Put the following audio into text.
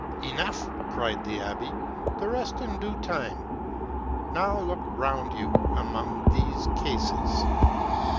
"Enough!" cried the abb6 : "the rest in due time. Now look round you among these cases."